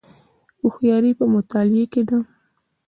هوښیاري په مطالعې کې ده